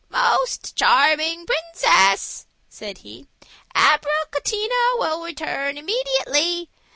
"Most charming princess," said he, "Abricotina will return immediately.